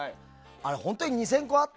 あれ、本当に２０００個あった？